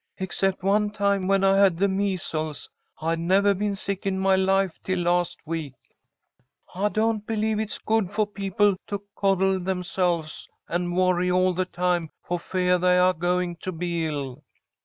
Except one time when I had the measles, I'd never been sick in my life till last week. I don't believe it's good for people to coddle themselves and worry all the time for feah they are going to be ill."